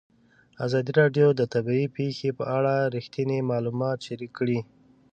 ازادي راډیو د طبیعي پېښې په اړه رښتیني معلومات شریک کړي.